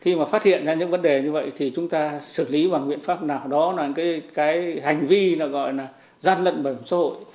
khi mà phát hiện ra những vấn đề như vậy thì chúng ta xử lý bằng biện pháp nào đó là cái hành vi gọi là gian lận bảo hiểm xã hội